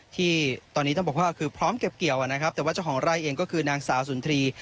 ที่ตอนนี้ต้องบอกว่าคือพร้อมเก็บเกี่ยวนะครับแต่ว่าเจ้าของไร่เองก็คือนางสาวสุนทรีย์